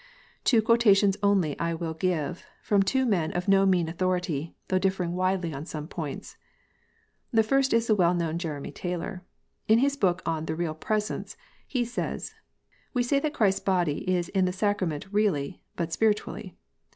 Two quotations only I will give, from two men of no mean authority, though differing widely on some points. The first is the well known Jeremy Taylor. In his book on The Real Presence (Edit. 1654, pp. 13 15) he says : "We say that Christ s body is in the sacrament really, but spiritually.